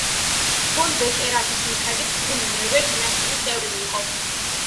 ფონ ბეკერათის მიხედვით ხუი მერვე დინასტიის წევრი იყო.